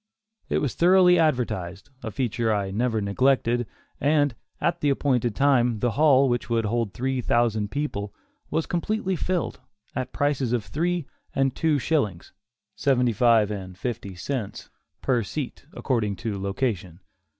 It was thoroughly advertised a feature I never neglected and, at the appointed time, the hall, which would hold three thousand people, was completely filled, at prices of three and two shillings, (seventy five and fifty cents,) per seat, according to location.